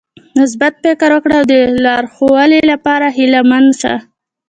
مثبت فکر وکړه او د لا ښوالي لپاره هيله مند شه .